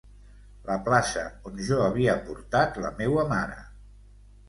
La plaça on jo havia portat la meua mare.